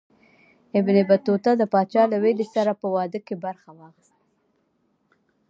ابن بطوطه د پاچا له ورېرې سره په واده کې برخه واخیستله.